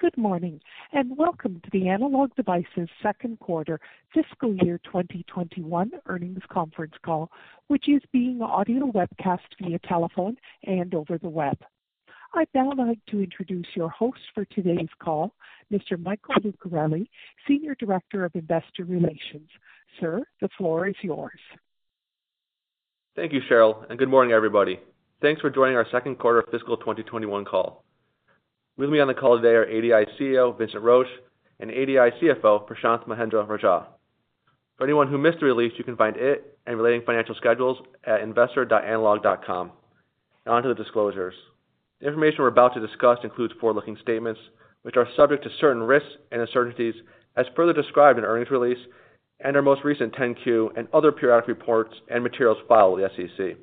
Good morning. Welcome to the Analog Devices second quarter fiscal year 2021 earnings conference call, which is being audio webcast via telephone and over the web. I'd now like to introduce your host for today's call, Mr. Michael Lucarelli, Senior Director of Investor Relations. Sir, the floor is yours. Thank you, Cheryl. Good morning, everybody. Thanks for joining our second quarter fiscal 2021 call. Leading on the call today are ADI CEO, Vincent Roche, and ADI CFO, Prashanth Mahendra-Rajah. For anyone who missed the release, you can find it and related financial schedules at investor.analog.com. Onto the disclosures. The information we're about to discuss includes forward-looking statements, which are subject to certain risks and uncertainties as further described in our earnings release and our most recent 10-Q and other periodic reports and materials filed with the SEC.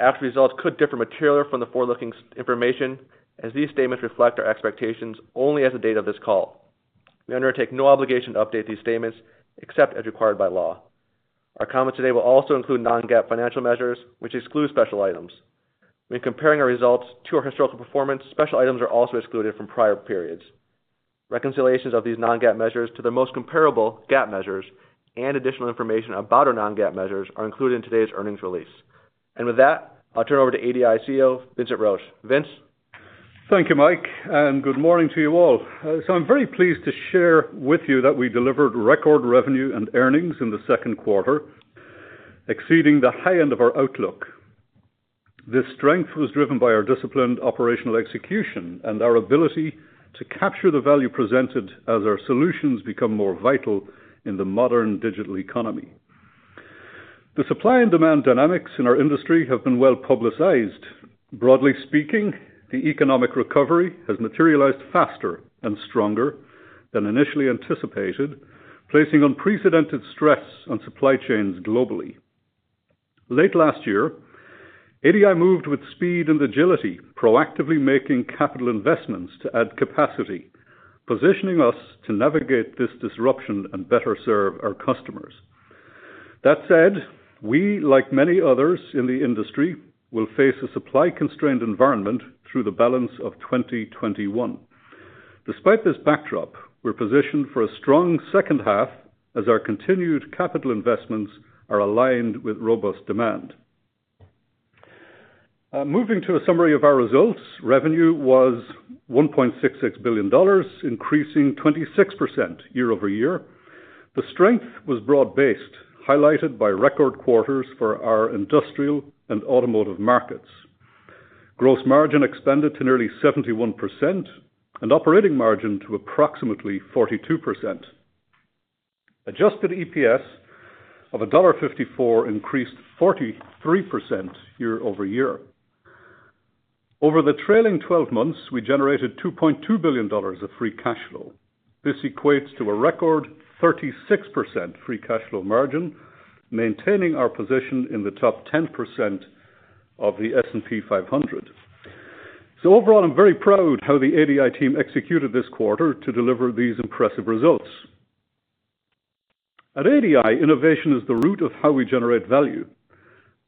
Actual results could differ materially from the forward-looking information as these statements reflect our expectations only as of the date of this call. We undertake no obligation to update these statements except as required by law. Our comments today will also include non-GAAP financial measures, which exclude special items. When comparing our results to our historical performance, special items are also excluded from prior periods. Reconciliations of these non-GAAP measures to the most comparable GAAP measures and additional information about our non-GAAP measures are included in today's earnings release. With that, I'll turn it over to ADI CEO, Vincent Roche. Vince? Thank you, Mike. Good morning to you all. I'm very pleased to share with you that we delivered record revenue and earnings in the second quarter, exceeding the high end of our outlook. This strength was driven by our disciplined operational execution and our ability to capture the value presented as our solutions become more vital in the modern digital economy. The supply and demand dynamics in our industry have been well-publicized. Broadly speaking, the economic recovery has materialized faster and stronger than initially anticipated, placing unprecedented stress on supply chains globally. Late last year, ADI moved with speed and agility, proactively making capital investments to add capacity, positioning us to navigate this disruption and better serve our customers. That said, we, like many others in the industry, will face a supply-constrained environment through the balance of 2021. Despite this backdrop, we're positioned for a strong second half as our continued capital investments are aligned with robust demand. Moving to a summary of our results, revenue was $1.66 billion, increasing 26% year-over-year. The strength was broad-based, highlighted by record quarters for our industrial and automotive markets. Gross margin expanded to nearly 71%, and operating margin to approximately 42%. Adjusted EPS of $1.54 increased 43% year-over-year. Over the trailing 12 months, we generated $2.2 billion of free cash flow. This equates to a record 36% free cash flow margin, maintaining our position in the top 10% of the S&P 500. Overall, I'm very proud how the ADI team executed this quarter to deliver these impressive results. At ADI, innovation is the root of how we generate value.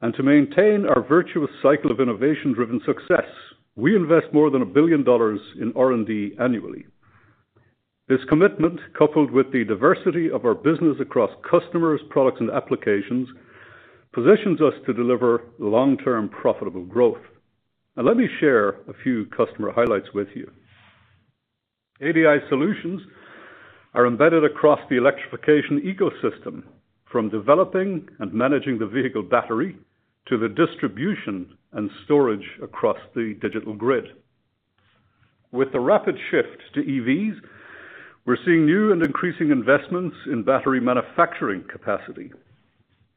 To maintain our virtuous cycle of innovation-driven success, we invest more than $1 billion in R&D annually. This commitment, coupled with the diversity of our business across customers, products, and applications, positions us to deliver long-term profitable growth. Let me share a few customer highlights with you. ADI solutions are embedded across the electrification ecosystem, from developing and managing the vehicle battery to the distribution and storage across the digital grid. With the rapid shift to EVs, we're seeing new and increasing investments in battery manufacturing capacity.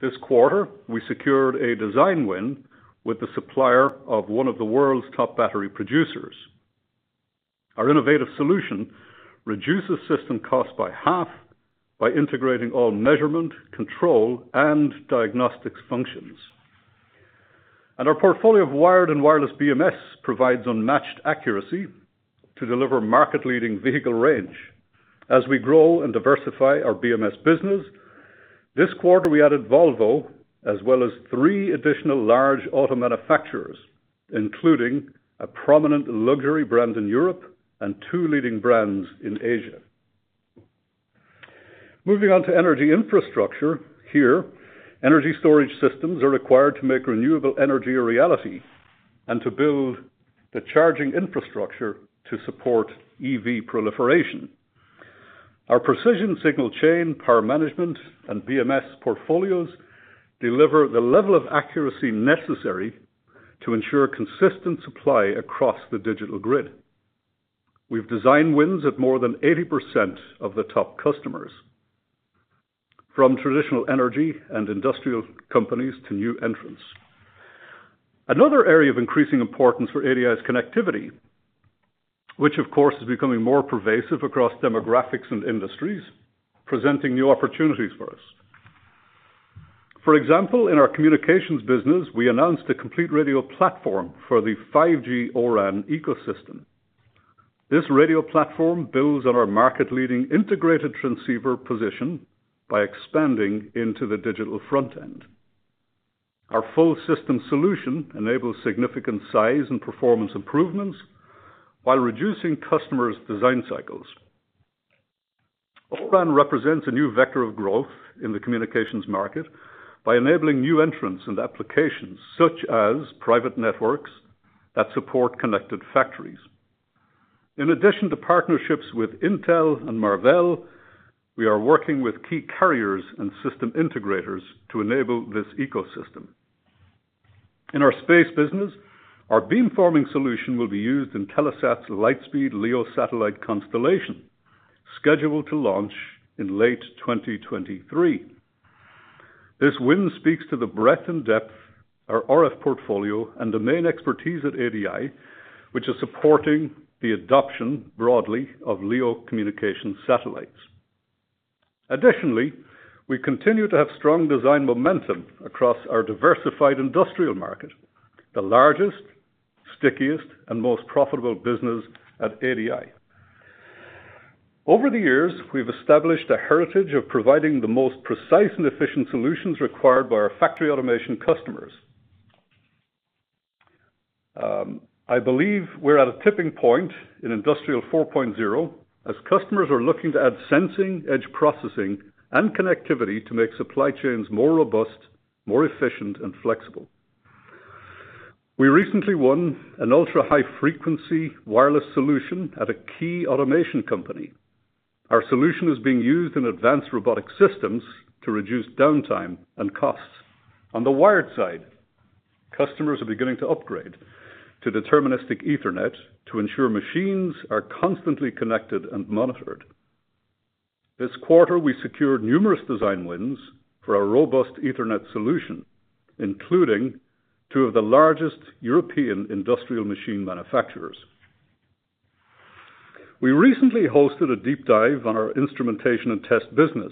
This quarter, we secured a design win with the supplier of one of the world's top battery producers. Our innovative solution reduces system cost by half by integrating all measurement, control, and diagnostics functions. Our portfolio of wired and wireless BMS provides unmatched accuracy to deliver market-leading vehicle range. As we grow and diversify our BMS business, this quarter we added Volvo as well as three additional large auto manufacturers, including a prominent luxury brand in Europe and two leading brands in Asia. Moving on to energy infrastructure. Here, energy storage systems are required to make renewable energy a reality and to build the charging infrastructure to support EV proliferation. Our precision signal chain, power management, and BMS portfolios deliver the level of accuracy necessary to ensure consistent supply across the digital grid. We've design wins at more than 80% of the top customers, from traditional energy and industrial companies to new entrants. Another area of increasing importance for ADI is connectivity, which of course, is becoming more pervasive across demographics and industries, presenting new opportunities for us. For example, in our communications business, we announced a complete radio platform for the 5G O-RAN ecosystem. This radio platform builds on our market-leading integrated transceiver position by expanding into the digital front end. Our full system solution enables significant size and performance improvements while reducing customers' design cycles. O-RAN represents a new vector of growth in the communications market by enabling new entrants and applications such as private networks that support connected factories. In addition to partnerships with Intel and Marvell, we are working with key carriers and system integrators to enable this ecosystem. In our space business, our beamforming solution will be used in Telesat's Lightspeed LEO satellite constellation, scheduled to launch in late 2023. This win speaks to the breadth and depth our RF portfolio and domain expertise at ADI, which is supporting the adoption broadly of LEO communication satellites. Additionally, we continue to have strong design momentum across our diversified industrial market, the largest, stickiest, and most profitable business at ADI. Over the years, we've established a heritage of providing the most precise and efficient solutions required by our factory automation customers. I believe we're at a tipping point in Industry 4.0 as customers are looking to add sensing, edge processing, and connectivity to make supply chains more robust, more efficient, and flexible. We recently won an ultra-high-frequency wireless solution at a key automation company. Our solution is being used in advanced robotic systems to reduce downtime and costs. On the wired side, customers are beginning to upgrade to Deterministic Ethernet to ensure machines are constantly connected and monitored. This quarter, we secured numerous design wins for our robust Ethernet solution, including two of the largest European industrial machine manufacturers. We recently hosted a deep dive on our instrumentation and test business.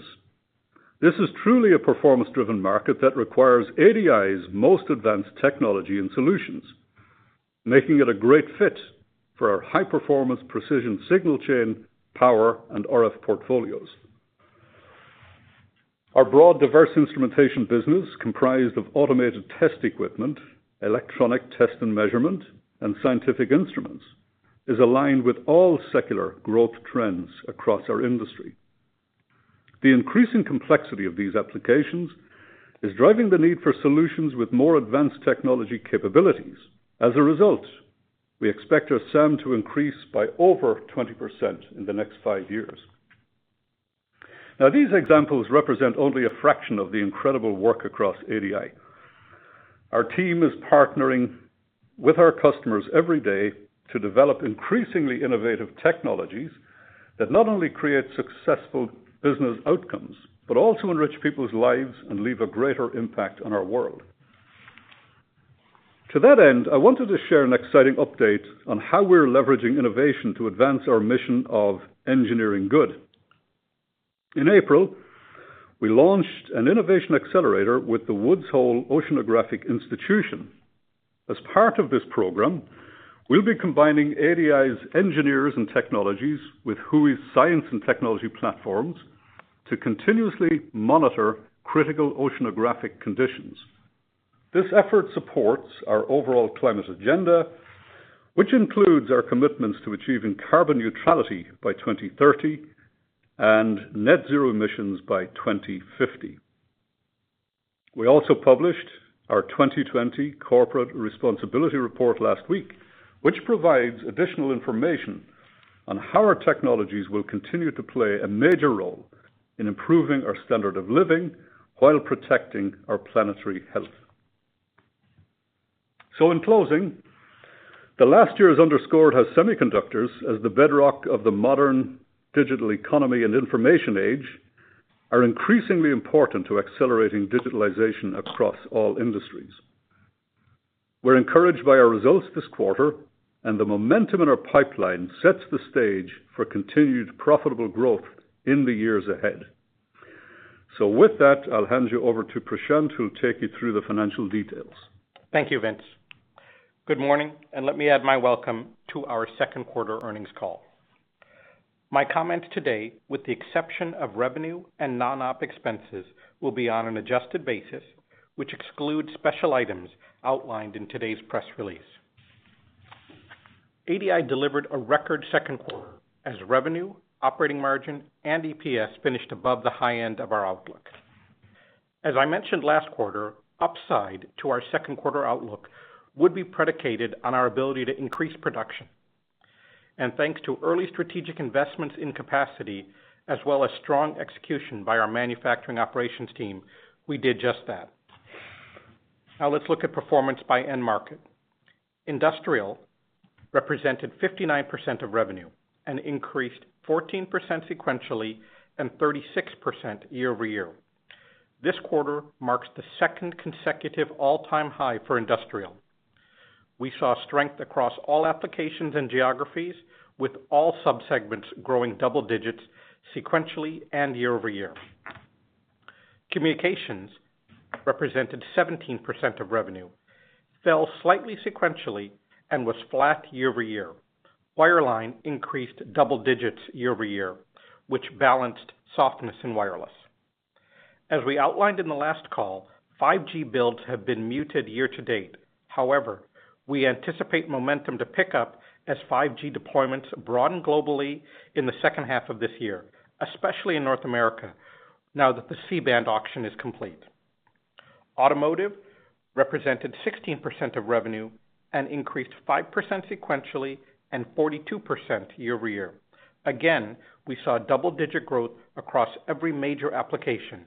This is truly a performance-driven market that requires ADI's most advanced technology and solutions, making it a great fit for our high-performance precision signal chain, power, and RF portfolios. Our broad, diverse instrumentation business, comprised of automated test equipment, electronic test and measurement, and scientific instruments, is aligned with all secular growth trends across our industry. The increasing complexity of these applications is driving the need for solutions with more advanced technology capabilities. As a result, we expect our SAM to increase by over 20% in the next five years. Now, these examples represent only a fraction of the incredible work across ADI. Our team is partnering with our customers every day to develop increasingly innovative technologies that not only create successful business outcomes but also enrich people's lives and leave a greater impact on our world. To that end, I wanted to share an exciting update on how we're leveraging innovation to advance our mission of engineering good. In April, we launched an innovation accelerator with the Woods Hole Oceanographic Institution. As part of this program, we'll be combining ADI's engineers and technologies with WHOI's science and technology platforms to continuously monitor critical oceanographic conditions. This effort supports our overall climate agenda, which includes our commitments to achieving carbon neutrality by 2030 and net zero emissions by 2050. We also published our 2020 corporate responsibility report last week, which provides additional information on how our technologies will continue to play a major role in improving our standard of living while protecting our planetary health. In closing, the last year's underscores how semiconductors as the bedrock of the modern digital economy and information age are increasingly important to accelerating digitalization across all industries. We're encouraged by our results this quarter and the momentum in our pipeline sets the stage for continued profitable growth in the years ahead. With that, I'll hand you over to Prashanth, who'll take you through the financial details. Thank you, Vince. Good morning. Let me add my welcome to our second quarter earnings call. My comments today, with the exception of revenue and non-op expenses, will be on an adjusted basis, which excludes special items outlined in today's press release. ADI delivered a record second quarter as revenue, operating margin, and EPS finished above the high end of our outlook. As I mentioned last quarter, upside to our second quarter outlook would be predicated on our ability to increase production. Thanks to early strategic investments in capacity as well as strong execution by our manufacturing operations team, we did just that. Now let's look at performance by end market. Industrial represented 59% of revenue and increased 14% sequentially and 36% year-over-year. This quarter marks the second consecutive all-time high for industrial. We saw strength across all applications and geographies, with all subsegments growing double digits sequentially and year-over-year. Communications represented 17% of revenue. Fell slightly sequentially and was flat year-over-year. Wireline increased double digits year-over-year, which balanced softness in wireless. As we outlined in the last call, 5G builds have been muted year-to-date. We anticipate momentum to pick up as 5G deployments broaden globally in the second half of this year, especially in North America, now that the C-band auction is complete. Automotive represented 16% of revenue and increased 5% sequentially and 42% year-over-year. We saw double-digit growth across every major application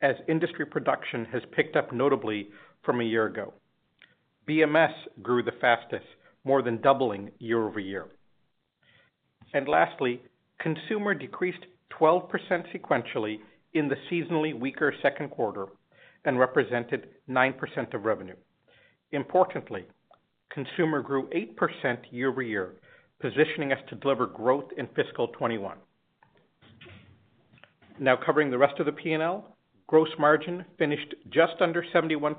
as industry production has picked up notably from a year ago. BMS grew the fastest, more than doubling year-over-year. Lastly, consumer decreased 12% sequentially in the seasonally weaker second quarter and represented 9% of revenue. Importantly, consumer grew 8% year-over-year, positioning us to deliver growth in fiscal 2021. Now covering the rest of the P&L. Gross margin finished just under 71%,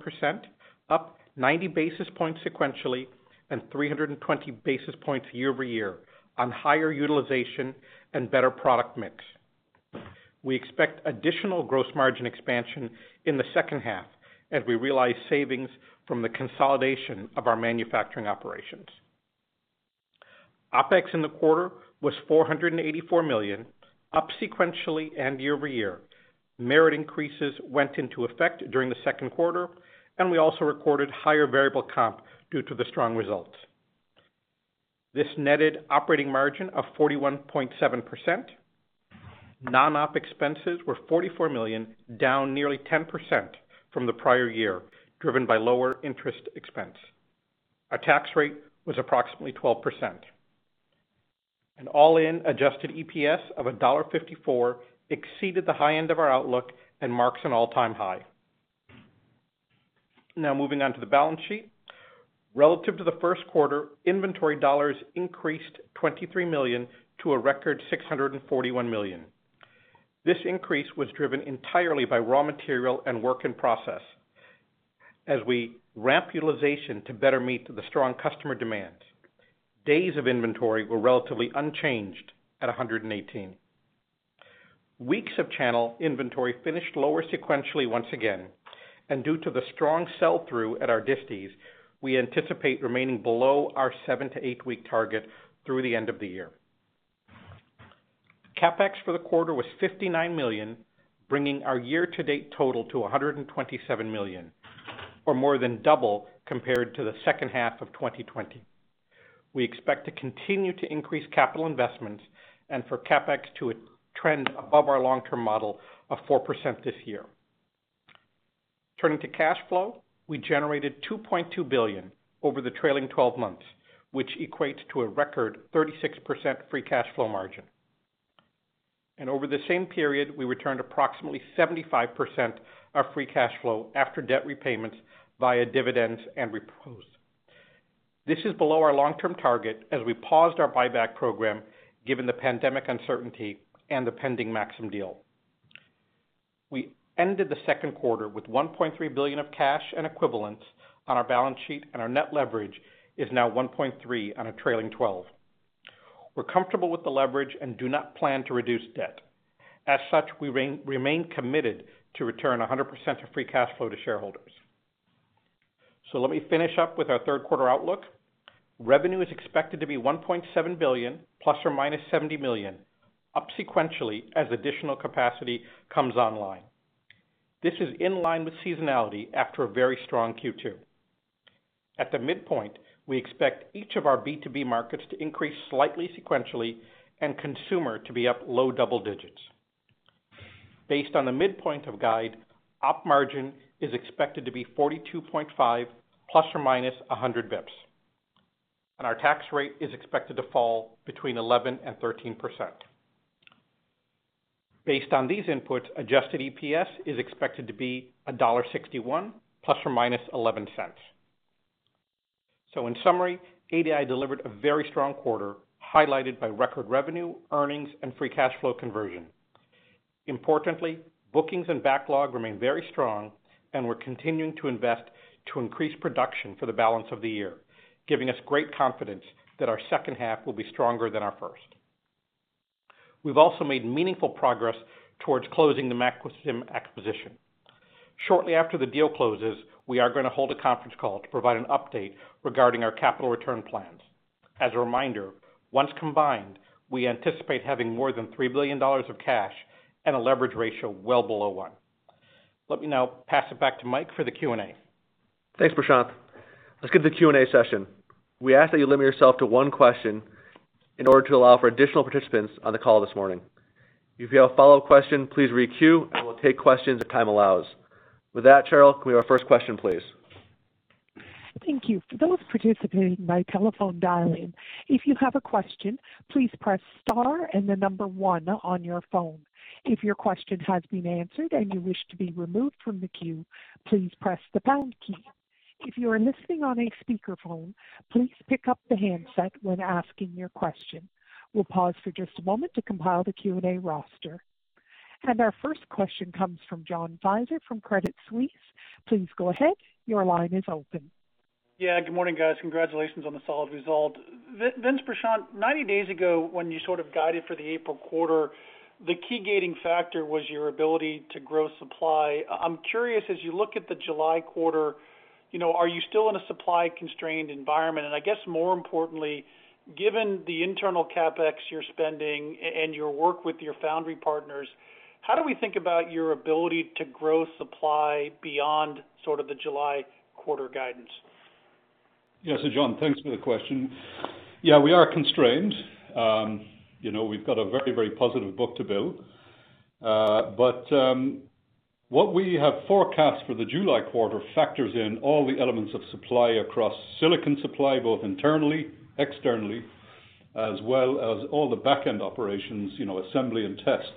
up 90 basis points sequentially and 320 basis points year-over-year on higher utilization and better product mix. We expect additional gross margin expansion in the second half as we realize savings from the consolidation of our manufacturing operations. OPEX in the quarter was $484 million, up sequentially and year-over-year. Merit increases went into effect during the second quarter, and we also recorded higher variable comp due to the strong results. This netted operating margin of 41.7%. Non-op expenses were $44 million, down nearly 10% from the prior year, driven by lower interest expense. Our tax rate was approximately 12%. An all-in adjusted EPS of $1.54 exceeded the high end of our outlook and marks an all-time high. Now moving on to the balance sheet. Relative to the first quarter, inventory dollars increased $23 million to a record $641 million. This increase was driven entirely by raw material and work in process as we ramp utilization to better meet the strong customer demand. Days of inventory were relatively unchanged at 118. Weeks of channel inventory finished lower sequentially once again, and due to the strong sell-through at our distis, we anticipate remaining below our 7- to 8-week target through the end of the year. CapEx for the quarter was $59 million, bringing our year-to-date total to $127 million, or more than double compared to the second half of 2020. We expect to continue to increase capital investments and for CapEx to trend above our long-term model of 4% this year. Turning to cash flow. We generated $2.2 billion over the trailing 12 months, which equates to a record 36% free cash flow margin. Over the same period, we returned approximately 75% of free cash flow after debt repayments via dividends and repurchases. This is below our long-term target as we paused our buyback program given the pandemic uncertainty and the pending Maxim deal. We ended the second quarter with $1.3 billion of cash and equivalents on our balance sheet, and our net leverage is now 1.3 on a trailing 12-month basis. We're comfortable with the leverage and do not plan to reduce debt. We remain committed to return 100% of free cash flow to shareholders. Let me finish up with our third quarter outlook. Revenue is expected to be $1.7 billion ± $70 million, up sequentially as additional capacity comes online. This is in line with seasonality after a very strong Q2. At the midpoint, we expect each of our B2B markets to increase slightly sequentially and consumer to be up low double digits. Based on the midpoint of guide, op margin is expected to be 42.5% ± 100 basis points, and our tax rate is expected to fall between 11% and 13%. Based on these inputs, adjusted EPS is expected to be $1.61 ± $0.11. In summary, ADI delivered a very strong quarter, highlighted by record revenue, earnings, and free cash flow conversion. Importantly, bookings and backlog remain very strong and we're continuing to invest to increase production for the balance of the year, giving us great confidence that our second half will be stronger than our first. We've also made meaningful progress towards closing the Maxim acquisition. Shortly after the deal closes, we are going to hold a conference call to provide an update regarding our capital return plans. As a reminder, once combined, we anticipate having more than $3 billion of cash and a leverage ratio well below one. Let me now pass it back to Mike for the Q&A. Thanks, Prashanth. Let's get to the Q&A session. We ask that you limit yourself to one question in order to allow for additional participants on the call this morning. If you have a follow-up question, please re-queue, and we'll take questions as time allows. With that, Cheryl, can we have our first question, please? Thank you. For those participating by telephone dial-in, if you have a question, please press star and 1 on your phone. If your question has been answered and you wish to be removed from the queue, please press the pound key. If you are listening on a speakerphone, please pick up the handset when asking your question. We'll pause for just a moment to compile the Q&A roster. Our first question comes from John Pitzer from Credit Suisse. Please go ahead. Your line is open. Yeah. Good morning, guys. Congratulations on the solid result. Vince, Prashanth, 90 days ago when you sort of guided for the April quarter, the key gating factor was your ability to grow supply. I'm curious, as you look at the July quarter, are you still in a supply-constrained environment? I guess more importantly, given the internal CapEx you're spending and your work with your foundry partners, how do we think about your ability to grow supply beyond sort of the July quarter guidance? Yeah, John, thanks for the question. Yeah, we are constrained. We've got a very positive book to build. What we have forecast for the July quarter factors in all the elements of supply across silicon supply, both internally, externally, as well as all the backend operations, assembly and test.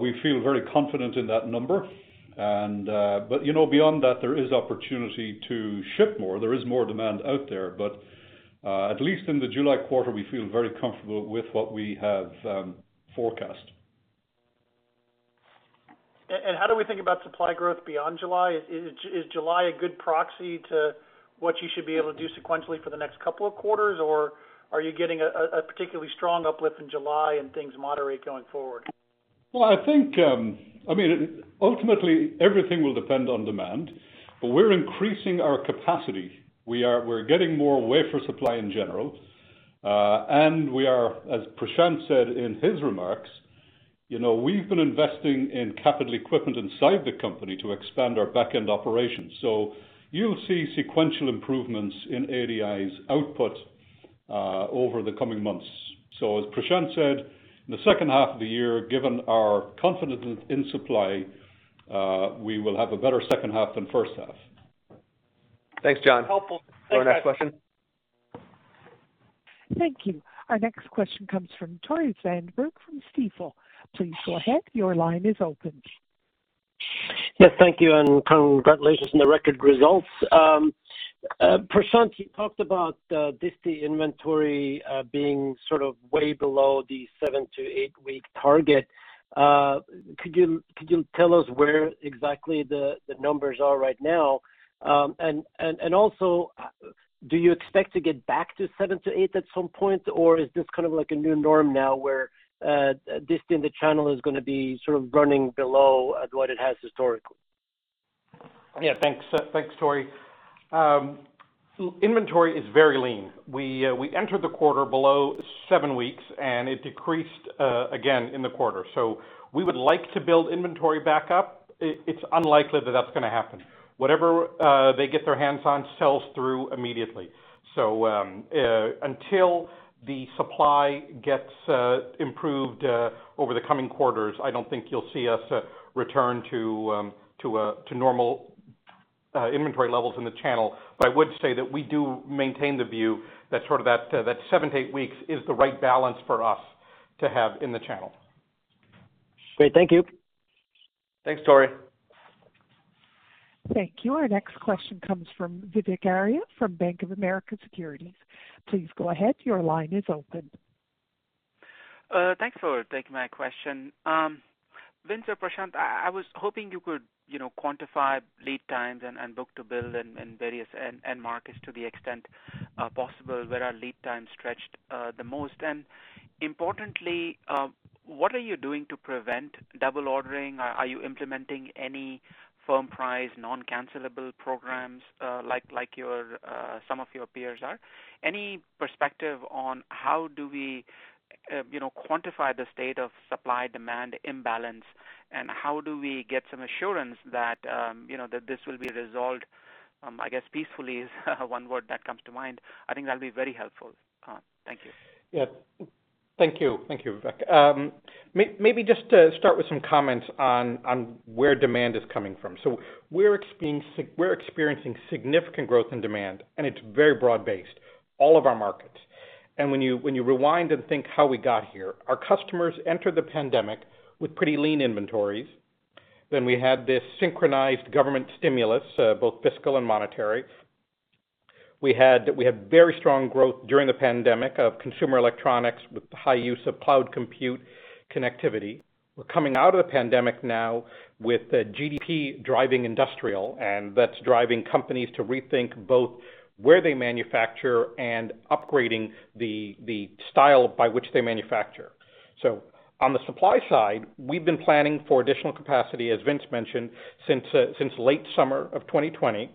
We feel very confident in that number. Beyond that, there is opportunity to ship more. There is more demand out there. At least in the July quarter, we feel very comfortable with what we have forecast. How do we think about supply growth beyond July? Is July a good proxy to what you should be able to do sequentially for the next couple of quarters? Are you getting a particularly strong uplift in July and things moderate going forward? I think, ultimately everything will depend on demand, but we're increasing our capacity. We're getting more wafer supply in general. We are, as Prashanth said in his remarks, we've been investing in capital equipment inside the company to expand our backend operations. You'll see sequential improvements in ADI's output over the coming months. As Prashanth said, in the second half of the year, given our confidence in supply, we will have a better second half than first half. Thanks, John. Helpful. Our next question? Thank you. Our next question comes from Tore Svanberg from Stifel. Please go ahead. Your line is open. Yeah. Thank you. Congratulations on the record results. Prashanth, you talked about disti inventory being sort of way below the seven to eight-week target. Could you tell us where exactly the numbers are right now? Also, do you expect to get back to seven to eight at some point, or is this kind of like a new norm now where disti in the channel is going to be sort of running below what it has historically? Yeah, thanks. Thanks, Tore. Inventory is very lean. We entered the quarter below seven weeks, and it decreased again in the quarter. We would like to build inventory back up. It's unlikely that that's going to happen. Whatever they get their hands on sells through immediately. Until the supply gets improved over the coming quarters, I don't think you'll see us return to normal inventory levels in the channel. I would say that we do maintain the view that sort of that seven to eight weeks is the right balance for us to have in the channel. Great. Thank you. Thanks, Tore. Thank you. Our next question comes from Vivek Arya from Bank of America Securities. Please go ahead. Your line is open. Thanks for taking my question. Vince or Prashanth, I was hoping you could quantify lead times and book to bill in various end markets to the extent possible, where are lead times stretched the most? Importantly, what are you doing to prevent double ordering? Are you implementing any firm price, non-cancelable programs, like some of your peers are? Any perspective on how do we quantify the state of supply-demand imbalance, and how do we get some assurance that this will be resolved, I guess peacefully is one word that comes to mind. I think that'd be very helpful. Thank you. Thank you, Vivek. Maybe just to start with some comments on where demand is coming from. We're experiencing significant growth in demand, and it's very broad-based, all of our markets. When you rewind and think how we got here, our customers entered the pandemic with pretty lean inventories. We had this synchronized government stimulus, both fiscal and monetary. We had very strong growth during the pandemic of consumer electronics with high use of cloud compute connectivity. We're coming out of the pandemic now with GDP driving industrial, and that's driving companies to rethink both where they manufacture and upgrading the style by which they manufacture. On the supply side, we've been planning for additional capacity, as Vince mentioned, since late summer of 2020.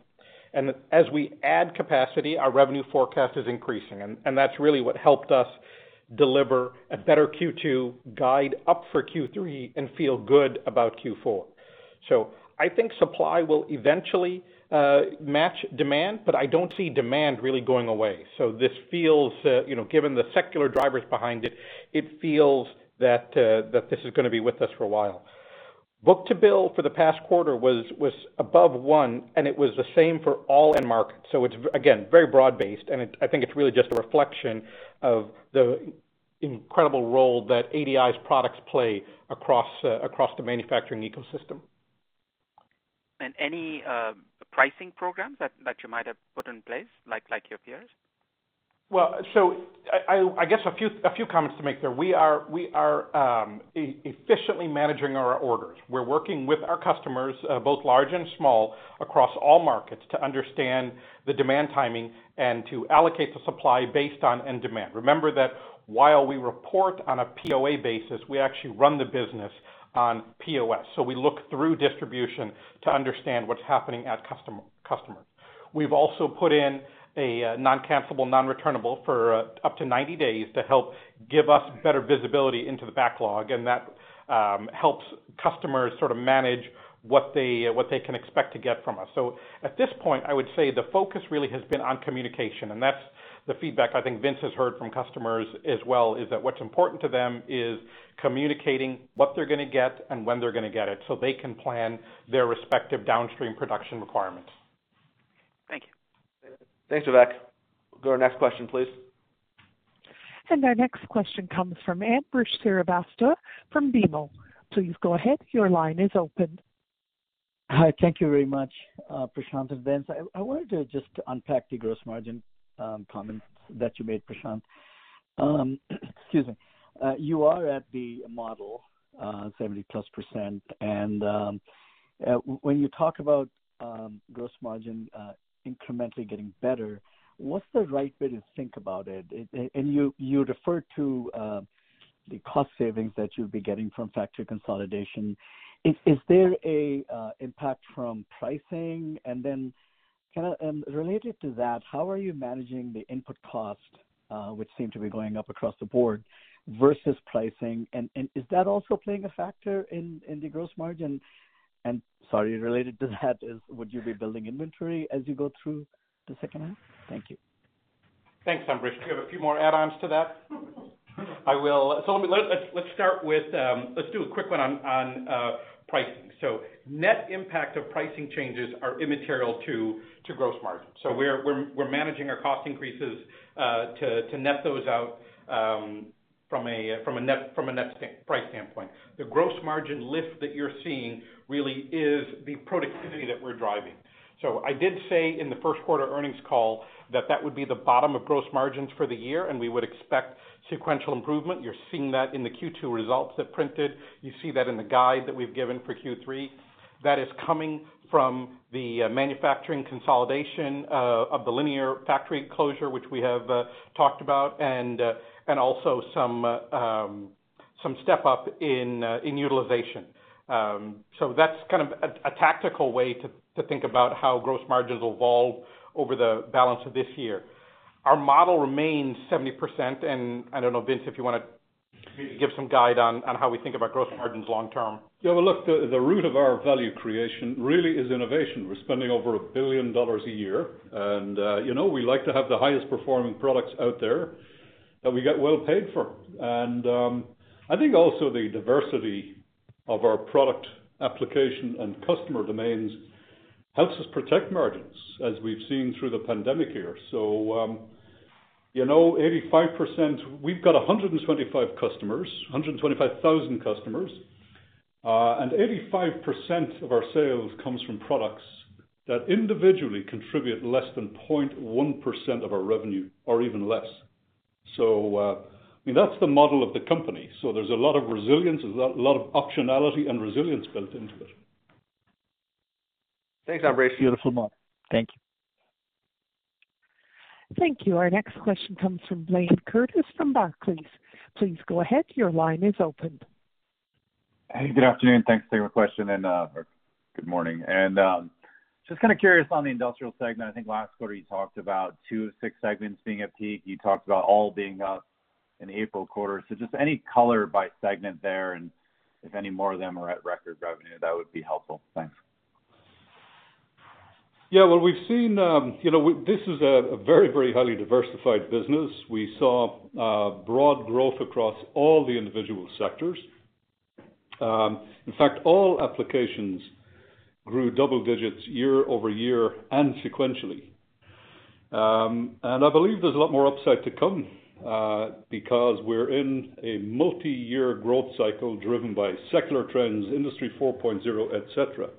As we add capacity, our revenue forecast is increasing, and that's really what helped us deliver a better Q2, guide up for Q3, and feel good about Q4. I think supply will eventually match demand, but I don't see demand really going away. This feels, given the secular drivers behind it feels that this is going to be with us for a while. Book to bill for the past quarter was above one, and it was the same for all end markets. It's, again, very broad-based, and I think it's really just a reflection of the incredible role that ADI's products play across the manufacturing ecosystem. Any pricing programs that you might have put in place, like your peers? Well, I guess a few comments to make there. We are efficiently managing our orders. We're working with our customers, both large and small, across all markets to understand the demand timing and to allocate the supply based on end demand. Remember that while we report on a POA basis, we actually run the business on POS. We look through distribution to understand what's happening at customers. We've also put in a non-cancelable, non-returnable for up to 90 days to help give us better visibility into the backlog, and that helps customers sort of manage what they can expect to get from us. At this point, I would say the focus really has been on communication, and that's the feedback I think Vince has heard from customers as well, is that what's important to them is communicating what they're going to get and when they're going to get it so they can plan their respective downstream production requirements. Thank you. Thanks, Vivek. Go to our next question, please. Our next question comes from Ambrish Srivastava from BMO. Please go ahead. Your line is open. Hi. Thank you very much, Prashanth and Vince. I wanted to just unpack the gross margin comments that you made, Prashanth. Excuse me. You are at the model, 70-plus percent, and when you talk about gross margin incrementally getting better, what's the right way to think about it? You referred to the cost savings that you'll be getting from factory consolidation. Is there an impact from pricing? Then kind of related to that, how are you managing the input cost, which seem to be going up across the board versus pricing? Is that also playing a factor in the gross margin? Sorry, related to that is would you be building inventory as you go through the second half? Thank you. Thanks, Ambrish. You have a few more add-ons to that? I will. Let's do a quick one on pricing. Net impact of pricing changes are immaterial to gross margin. We're managing our cost increases to net those out from a net price standpoint. The gross margin lift that you're seeing really is the productivity that we're driving. I did say in the first quarter earnings call that that would be the bottom of gross margins for the year, and we would expect sequential improvement. You're seeing that in the Q2 results that printed. You see that in the guide that we've given for Q3. That is coming from the manufacturing consolidation of the Linear factory closure, which we have talked about, and also some step-up in utilization. That's kind of a tactical way to think about how gross margins evolve over the balance of this year. Our model remains 70%, and I don't know, Vince, if you want to give some guide on how we think about gross margins long term. The root of our value creation really is innovation. We're spending over $1 billion a year, and we like to have the highest performing products out there that we get well paid for. I think also the diversity of our product application and customer domains helps us protect margins, as we've seen through the pandemic here. We've got 125 customers, 125,000 customers, and 85% of our sales comes from products that individually contribute less than 0.1% of our revenue or even less. That's the model of the company. There's a lot of resilience, a lot of optionality and resilience built into it. Thanks, Ambrish. Beautiful model. Thank you. Thank you. Our next question comes from Blayne Curtis from Barclays. Please go ahead. Your line is open. Hey, good afternoon. Thanks for the question, good morning. Just kind of curious on the industrial segment. I think last quarter you talked about two of six segments being at peak. You talked about all being up in the April quarter. Just any color by segment there, if any more of them are at record revenue, that would be helpful. Thanks. Yeah, well, we've seen this is a very, very highly diversified business. We saw broad growth across all the individual sectors. In fact, all applications grew double digits year-over-year and sequentially. I believe there's a lot more upside to come because we're in a multi-year growth cycle driven by secular trends, Industry 4.0, et cetera.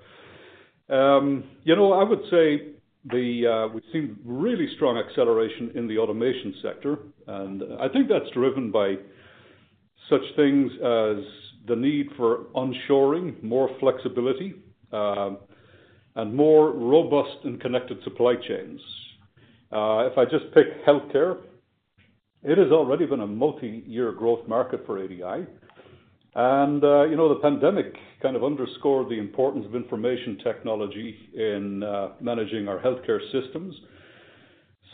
I would say we've seen really strong acceleration in the automation sector, and I think that's driven by such things as the need for onshoring, more flexibility, and more robust and connected supply chains. If I just pick healthcare, it has already been a multi-year growth market for ADI. The pandemic kind of underscored the importance of information technology in managing our healthcare systems.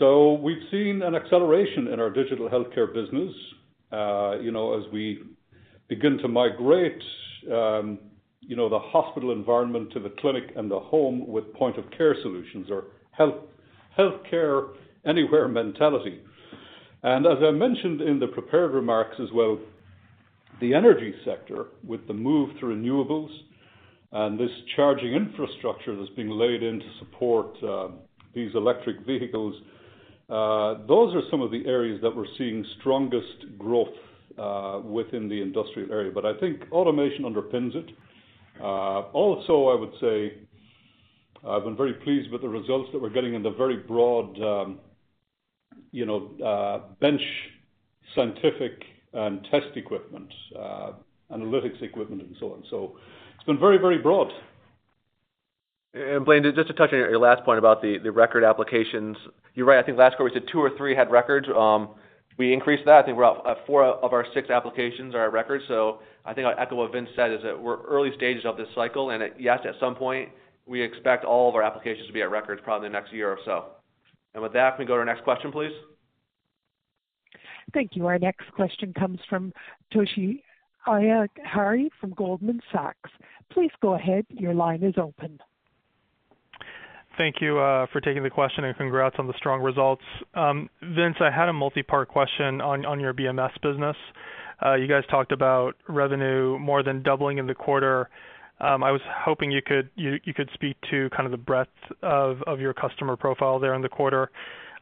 We've seen an acceleration in our digital healthcare business as we begin to migrate the hospital environment to the clinic and the home with point-of-care solutions or healthcare anywhere mentality. As I mentioned in the prepared remarks as well, the energy sector with the move to renewables and this charging infrastructure that's being laid in to support these electric vehicles. Those are some of the areas that we're seeing strongest growth within the industrial area. I think automation underpins it. Also, I would say I've been very pleased with the results that we're getting in the very broad bench scientific and test equipment, analytics equipment and so on. It's been very broad. Blayne, just to touch on your last point about the record applications. You're right, I think last quarter we said two or three had records. We increased that. I think about four of our six applications are at record. I think I'll echo what Vince said, is that we're early stages of this cycle, and that, yes, at some point, we expect all of our applications to be at records probably next year or so. With that, can we go to our next question, please? Thank you. Our next question comes from Toshiya Hari from Goldman Sachs. Please go ahead. Your line is open. Thank you for taking the question. Congrats on the strong results. Vince, I had a multi-part question on your BMS business. You guys talked about revenue more than doubling in the quarter. I was hoping you could speak to kind of the breadth of your customer profile there in the quarter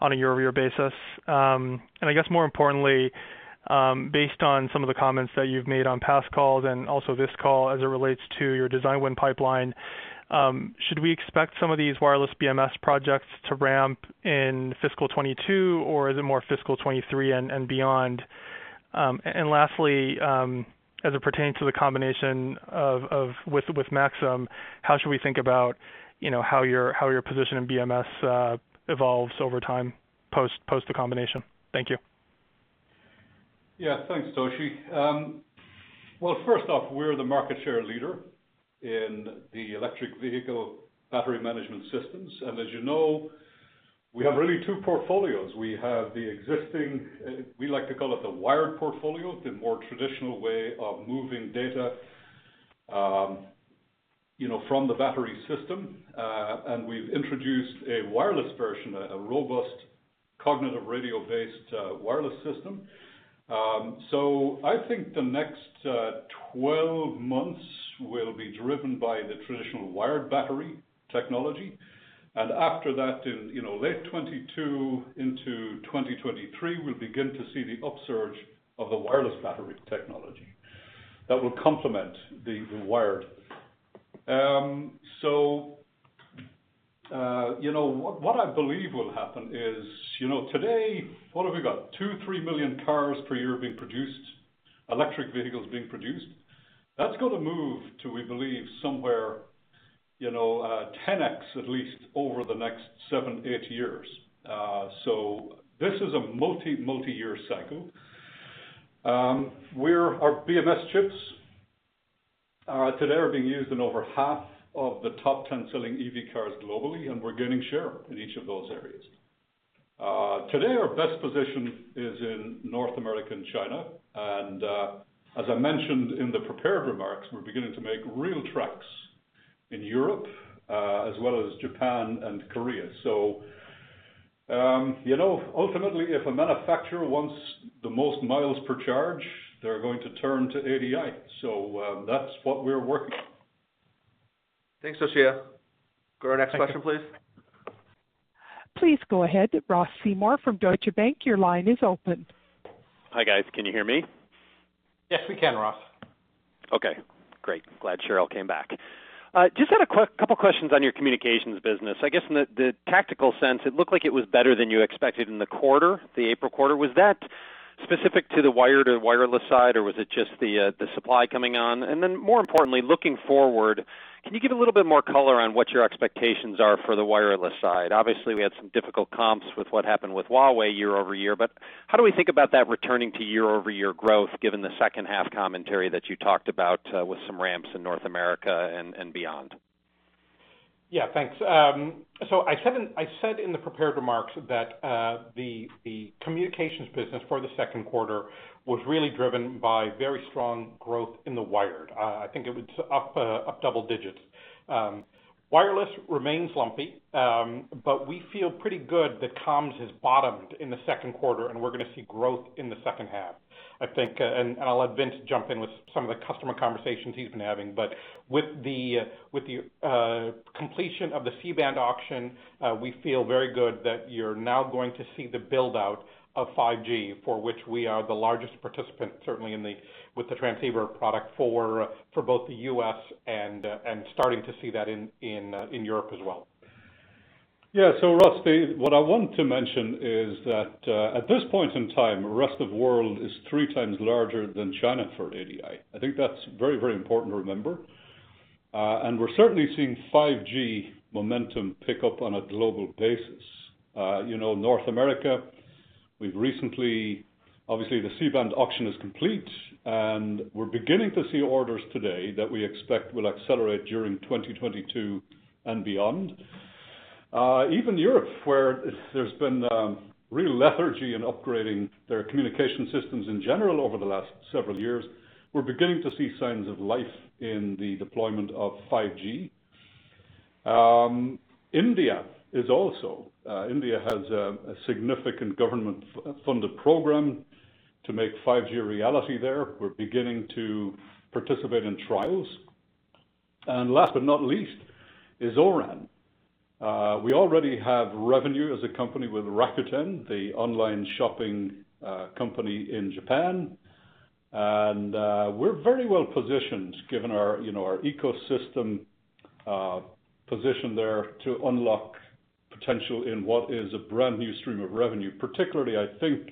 on a year-over-year basis. I guess more importantly, based on some of the comments that you've made on past calls and also this call as it relates to your design win pipeline, should we expect some of these wireless BMS projects to ramp in fiscal 2022, or is it more fiscal 2023 and beyond? Lastly, as it pertains to the combination with Maxim, how should we think about how your position in BMS evolves over time post the combination? Thank you. Yeah. Thanks, Toshi. Well, first off, we're the market share leader in the electric vehicle battery management systems. As you know, we have really 2 portfolios. We have the existing, we like to call it the wired portfolio, the more traditional way of moving data from the battery system. We've introduced a wireless version, a robust cognitive radio-based wireless system. I think the next 12 months will be driven by the traditional wired battery technology. After that, in late 2022 into 2023, we'll begin to see the upsurge of the wireless battery technology that will complement the wired. What I believe will happen is, today, what have we got? two to three million cars per year being produced, electric vehicles being produced. That's going to move to, we believe, somewhere 10x at least over the next 7 to 8 years. This is a multi-year cycle. Our BMS chips today are being used in over half of the top 10 selling EV cars globally, and we're gaining share in each of those areas. Today, our best position is in North America and China, and as I mentioned in the prepared remarks, we're beginning to make real traction in Europe as well as Japan and Korea. Ultimately, if a manufacturer wants the most miles per charge, they're going to turn to ADI. That's what we're working on. Thanks, Toshiya. Go to our next question, please. Please go ahead, Ross Seymore from Deutsche Bank. Your line is open. Hi, guys. Can you hear me? Yes, we can, Ross. Okay, great. Glad Cheryl came back. Just had a couple of questions on your communications business. I guess in the tactical sense, it looked like it was better than you expected in the quarter, the April quarter. Was that specific to the wired or wireless side, or was it just the supply coming on? More importantly, looking forward, can you give a little bit more color on what your expectations are for the wireless side? Obviously, we had some difficult comps with what happened with Huawei year-over-year, how do we think about that returning to year-over-year growth given the second half commentary that you talked about with some ramps in North America and beyond? Yeah, thanks. I said in the prepared remarks that the communications business for the second quarter was really driven by very strong growth in the wired. I think it was up double digits. Wireless remains lumpy, but we feel pretty good that comms has bottomed in the second quarter, and we're going to see growth in the second half. And I'll let Vince jump in with some of the customer conversations he's been having, but with the completion of the C-band auction, we feel very good that you're now going to see the build-out of 5G, for which we are the largest participant, certainly with the transceiver product for both the U.S. and starting to see that in Europe as well. Yeah. Ross, what I want to mention is that at this point in time, the rest of the world is three times larger than China for ADI. I think that's very important to remember. We're certainly seeing 5G momentum pick up on a global basis. North America, we've recently, obviously the C-band auction is complete, and we're beginning to see orders today that we expect will accelerate during 2022 and beyond. Even Europe, where there's been real lethargy in upgrading their communication systems in general over the last several years, we're beginning to see signs of life in the deployment of 5G. India is also. India has a significant government-funded program to make 5G a reality there. We're beginning to participate in trials. Last but not least is O-RAN. We already have revenue as a company with Rakuten, the online shopping company in Japan, and we're very well-positioned given our ecosystem position there to unlock potential in what is a brand new stream of revenue, particularly, I think,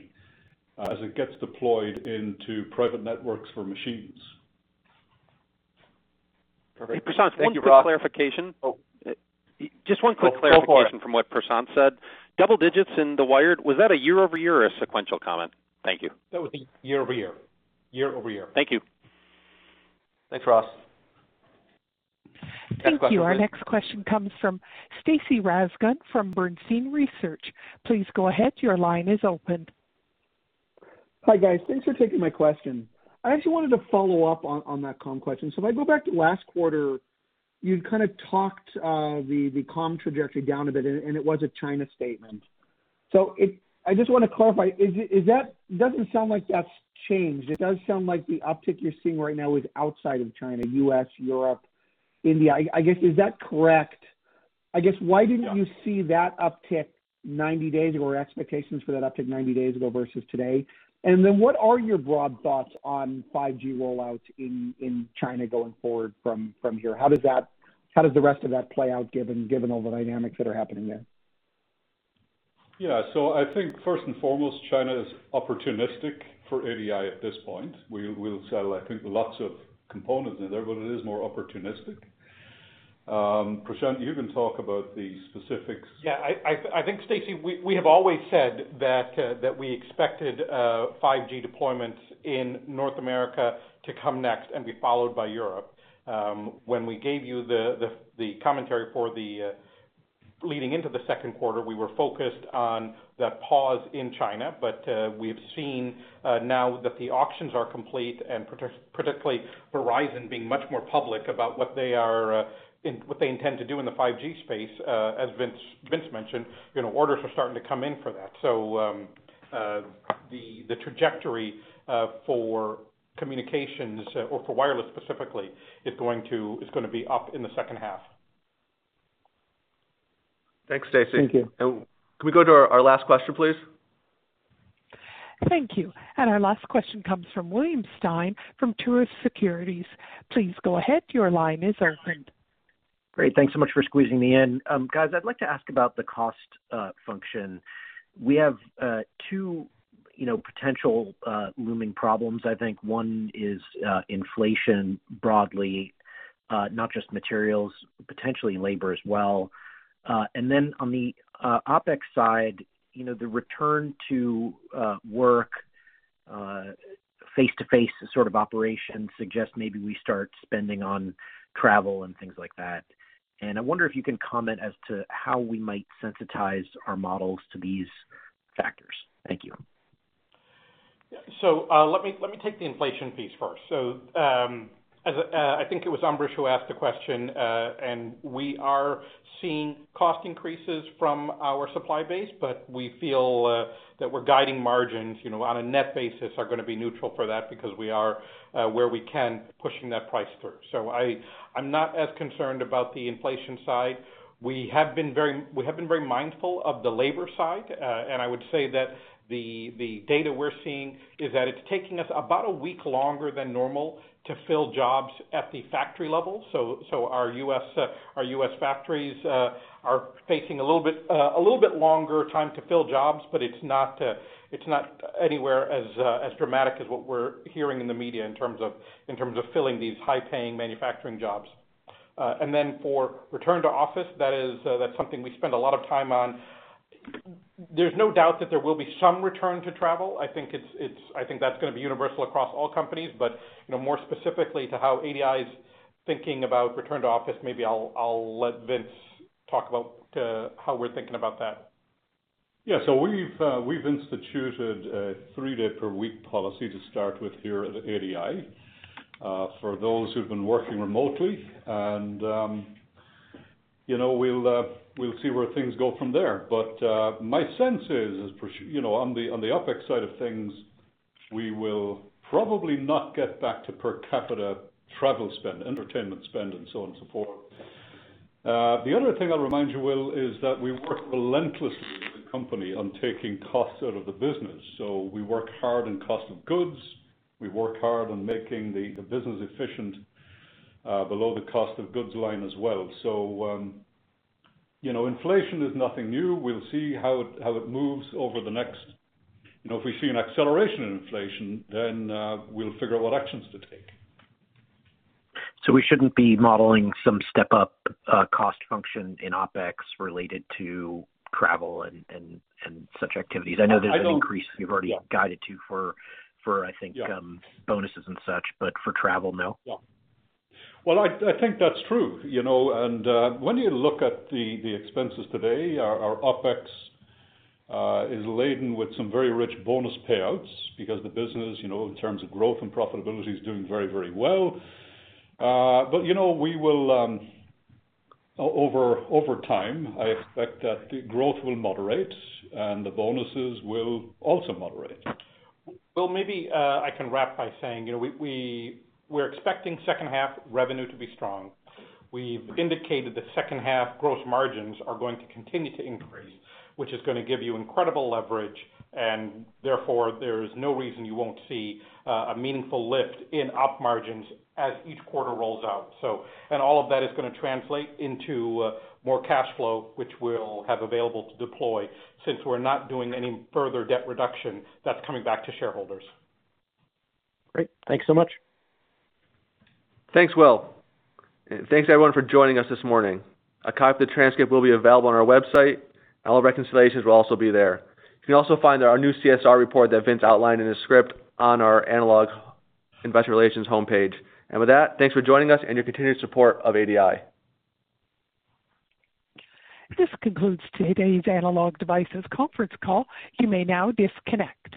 as it gets deployed into private networks for machines. Perfect. Thank you, Ross. Prashanth, one quick clarification. Oh. Just one quick clarification from what Prashanth said. Double digits in the wired, was that a year-over-year or a sequential comment? Thank you. That was year-over-year. Year-over-year. Thank you. Thanks, Ross. Thank you. Our next question comes from Stacy Rasgon from Bernstein Research. Please go ahead. Your line is open. Hi, guys. Thanks for taking my question. I actually wanted to follow up on that comm question. If I go back to last quarter, you'd kind of talked the comm trajectory down a bit, and it was a China statement. I just want to clarify, it doesn't sound like that's changed. It does sound like the uptick you're seeing right now is outside of China, U.S., Europe, India. I guess, is that correct? I guess, why didn't you see that uptick 90 days or expectations for that uptick 90 days ago versus today? What are your broad thoughts on 5G rollouts in China going forward from here? How does the rest of that play out given all the dynamics that are happening there? Yeah. I think first and foremost, China is opportunistic for ADI at this point. We'll sell, I think, lots of components in there, but it is more opportunistic. Prashanth, you can talk about the specifics. I think, Stacy, we have always said that we expected 5G deployments in North America to come next and be followed by Europe. When we gave you the commentary leading into the second quarter, we were focused on that pause in China. We've seen now that the auctions are complete and particularly Verizon being much more public about what they intend to do in the 5G space, as Vince mentioned, orders are starting to come in for that. The trajectory for communications or for wireless specifically is going to be up in the second half. Thank you. Can we go to our last question, please? Thank you. Our last question comes from William Stein from Truist Securities. Please go ahead. Your line is open. Great. Thanks so much for squeezing me in. Guys, I'd like to ask about the cost function. We have two potential looming problems, I think. One is inflation broadly, not just materials, potentially labor as well. On the OpEx side, the return to work face-to-face sort of operations suggest maybe we start spending on travel and things like that. I wonder if you can comment as to how we might sensitize our models to these factors. Thank you. Let me take the inflation piece first. I think it was Ambrish who asked the question, and we are seeing cost increases from our supply base, but we feel that we're guiding margins on a net basis are going to be neutral for that because we are, where we can, pushing that price through. I'm not as concerned about the inflation side. We have been very mindful of the labor side, and I would say that the data we're seeing is that it's taking us about a week longer than normal to fill jobs at the factory level. Our U.S. factories are taking a little bit longer time to fill jobs, but it's not anywhere as dramatic as what we're hearing in the media in terms of filling these high-paying manufacturing jobs. For return to office, that's something we spend a lot of time on. There's no doubt that there will be some return to travel. I think that's going to be universal across all companies. More specifically to how ADI's thinking about return to office, maybe I'll let Vince talk about how we're thinking about that. We've instituted a three-day per week policy to start with here at ADI, for those who've been working remotely. We'll see where things go from there. My sense is, on the OpEx side of things, we will probably not get back to per capita travel spend, entertainment spend, and so on, so forth. The other thing I'll remind you, Will, is that we've worked relentlessly as a company on taking costs out of the business. We worked hard on cost of goods. We've worked hard on making the business efficient below the cost of goods line as well. Inflation is nothing new. If we see an acceleration in inflation, we'll figure what actions to take. We shouldn't be modeling some step-up cost function in OpEx related to travel and such activities? I know there's an increase we've already guided to for, I think, bonuses and such, but for travel, no? Yeah. Well, I think that's true. When you look at the expenses today, our OpEx is laden with some very rich bonus payouts because the business, in terms of growth and profitability, is doing very, very well. Over time, I expect that the growth will moderate and the bonuses will also moderate. Well, maybe I can wrap by saying we're expecting second half revenue to be strong. We've indicated that second half gross margins are going to continue to increase, which is going to give you incredible leverage. Therefore, there is no reason you won't see a meaningful lift in Op margins as each quarter rolls out. All of that is going to translate into more cash flow, which we'll have available to deploy. Since we're not doing any further debt reduction, that's coming back to shareholders. Great. Thanks so much. Thanks, Will. Thanks, everyone, for joining us this morning. A copy of the transcript will be available on our website, and all reconciliations will also be there. You can also find our new CSR report that Vince outlined in the script on our Analog Investor Relations homepage. With that, thanks for joining us and your continued support of ADI. This concludes today's Analog Devices conference call. You may now disconnect.